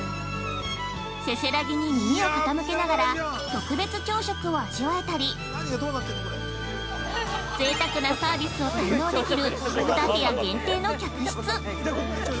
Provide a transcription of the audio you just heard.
せせらぎに耳を傾けながら特別朝食を味わえたりぜいたくなサービスを堪能できる２部屋限定の客室。